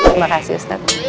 terima kasih ustadz